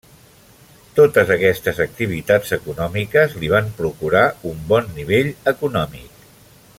Totes aquestes activitats econòmiques li van procurar un bon nivell econòmic.